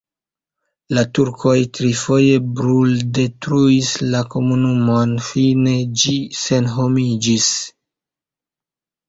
La turkoj trifoje bruldetruis la komunumon, fine ĝi senhomiĝis.